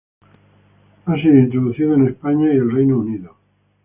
Ha sido introducido en España y el Reino Unido.